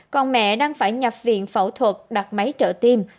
còn mẹ đang phải nhập viện phẫu thuật đặt máy trợ tim